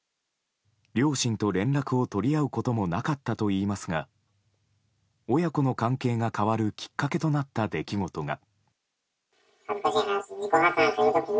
両親と連絡を取り合うこともなかったといいますが親子の関係が変わるきっかけとなった出来事が。